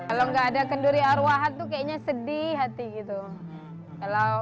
kalau nggak ada kenduri arwahat tuh kayaknya sedih hati gitu